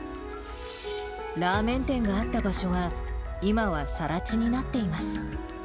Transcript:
ラーメン店があった場所は、今はさら地になっています。